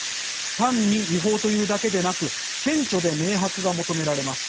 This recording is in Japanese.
単に違法というだけでなく「顕著で明白」が求められます。